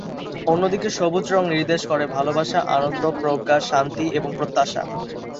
অন্যদিকে সবুজ রঙ নির্দেশ করে ভালোবাসা, আনন্দ, প্রজ্ঞা, শান্তি এবং প্রত্যাশা।